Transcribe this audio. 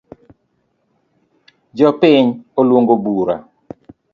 Jopiny oluongo bura